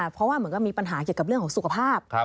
เพราะว่าเหมือนกับมีปัญหาเกี่ยวกับเรื่องของสุขภาพ